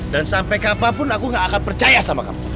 sampai kapanpun aku gak akan percaya sama kamu